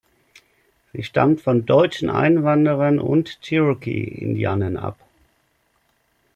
Sie stammt von deutschen Einwanderern und Cherokee-Indianern ab.